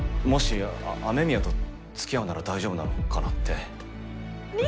もし雨宮と付き合うなら大丈夫なのかなって。